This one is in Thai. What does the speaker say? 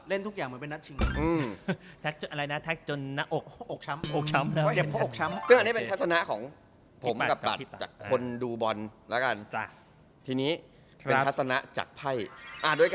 เล่นทุกอย่างเหมือนเป็นนะตจริงมั้ย